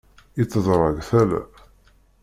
Itteḍṛag tala.